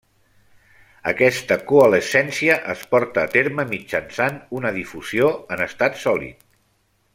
Aquesta coalescència es porta a terme mitjançant una difusió en estat sòlid.